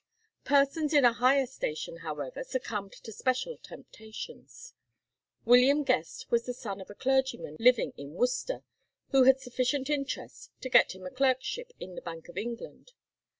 Persons in a higher station, however, succumbed to special temptations. William Guest was the son of a clergyman living at Worcester, who had sufficient interest to get him a clerkship in the Bank of England.